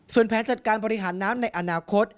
ส่วนแผนจัดการบริหารน้ำในอนาคต